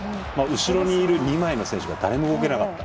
後ろにいる２枚の選手が誰も動けなかった。